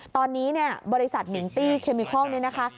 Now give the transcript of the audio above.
ตอนนี้บริษัทมิงตี้เคมิโคลนี้นะคะ